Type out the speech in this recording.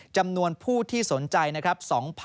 จำนวนผู้ที่สนใจนะครับ